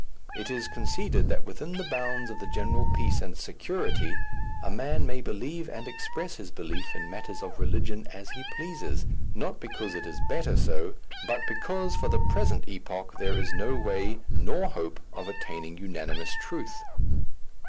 It is conceded that within the bounds of the general peace and security a man may believe and express his belief in matters of religion as he pleases, not because it is better so, but because for the present epoch there is no way nor hope of attaining unanimous truth.